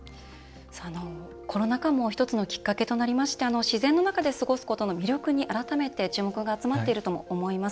コロナ禍も１つのきっかけとなりまして自然の中で過ごすことの魅力に改めて注目が集まっているとも思います。